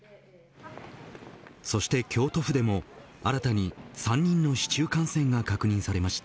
そして京都府でも新たに３人の市中感染が確認されました。